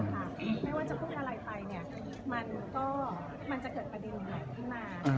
ไม่ว่าจะพูดอะไรไปเนี่ยมันก็มันจะเกิดประเด็นนี้มา